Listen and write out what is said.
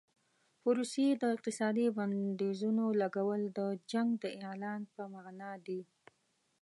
په روسیې د اقتصادي بندیزونو لګول د جنګ د اعلان په معنا دي.